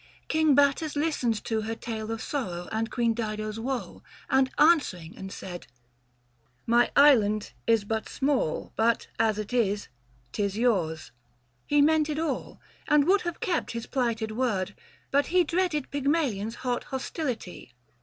King Battus listened to Her tale of sorrow and Queen Dido's woe ; BookIH. THE FASTI. 89 And answering said, " My island is but small But as it is — 'tis yours." He meant it all, 620 And would have kept his plighted word, but he Dreaded Pygmalion's hot hostility.